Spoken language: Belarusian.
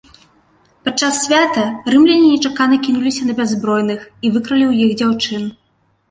Падчас свята рымляне нечакана кінуліся на бяззбройных і выкралі ў іх дзяўчын.